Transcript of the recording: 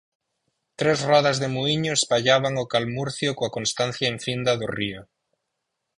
Tres rodas de muíño espallaban o calmurcio coa constancia infinda do río.